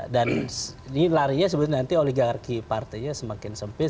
dan ini larinya sebetulnya nanti oligarki partainya semakin sempit